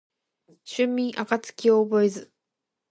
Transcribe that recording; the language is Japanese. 春眠暁を覚えず